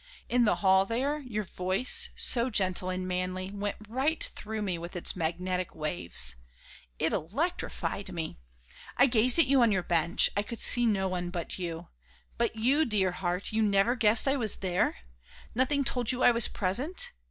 In the hall there, your voice, so gentle and manly, went right through me with its magnetic waves. It electrified me. I gazed at you on your bench, I could see no one but you. But you, dear heart, you never guessed I was there? Nothing told you I was present?